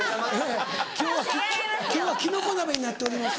今日はキノコ鍋になっております。